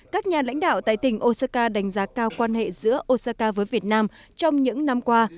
các nhà lãnh đạo tại tỉnh osaka đánh giá cao quan hệ giữa osaka với việt nam trong những năm qua